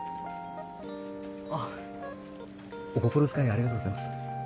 あお心遣いありがとうございます。